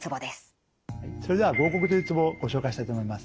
それでは合谷というツボをご紹介したいと思います。